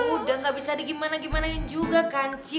udah gak bisa digimanain juga kan ci